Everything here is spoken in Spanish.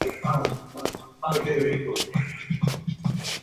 Fue docente en la misma facultad.